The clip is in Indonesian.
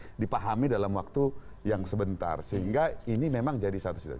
tapi bisa dipahami dalam waktu yang sebentar sehingga ini memang jadi satu situasi